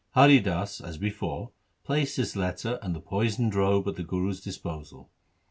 Hari Das, as before, placed this letter and the poisoned robe at the Guru's disposal.